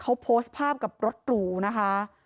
เขาโพสต์ภาพกับรถหรูนะคะ